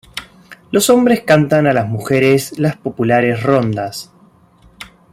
Los hombres cantan a las mujeres las populares rondas.